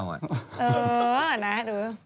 เออนะดู